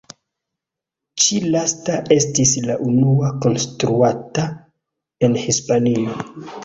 Ĉi lasta estis la unua konstruata en Hispanio.